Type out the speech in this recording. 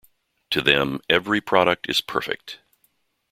To them, every product is perfect.